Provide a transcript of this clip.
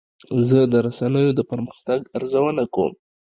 زه د رسنیو د پرمختګ ارزونه کوم.